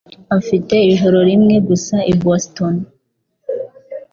afite ijoro rimwe gusa i Boston